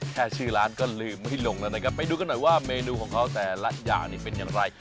ชื่อร้านก็ลืมให้ลงแล้วนะครับไปดูกันหน่อยว่าเมนูของเขาแต่ละอย่างนี่เป็นอย่างไร